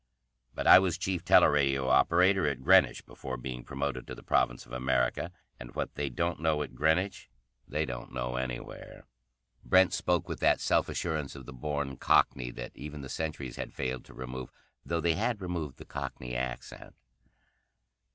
"But I was chief teleradio operator at Greenwich before being promoted to the Province of America. And what they don't know at Greenwich they don't know anywhere." Brent spoke with that self assurance of the born cockney that even the centuries had failed to remove, though they had removed the cockney accent.